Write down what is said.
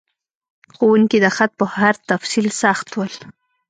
ښوونکي د خط په هر تفصیل سخت ول.